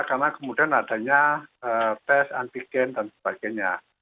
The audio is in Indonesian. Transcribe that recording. karena kemudian adanya tes antigen dan sebagainya